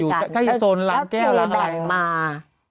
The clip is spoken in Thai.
อยู่ใกล้โซนหลังแก้วหลังอะไร